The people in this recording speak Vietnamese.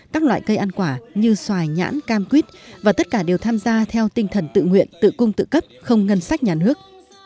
các loại cây ăn quả như xoài nhãn cam quýt và tất cả đều tham gia theo tinh thần tự nguyện tự cung tự cấp không ngân sách nhà nước